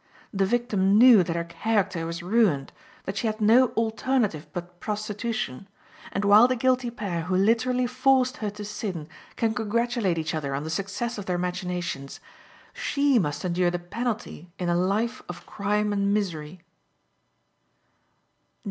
The victim knew that her character was ruined, that she had no alternative but prostitution, and, while the guilty pair who literally forced her to sin can congratulate each other on the success of their machinations, she must endure the penalty in a life of crime and misery.